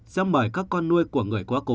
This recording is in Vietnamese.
sẽ mời các con nuôi của người ca sĩ phi nhung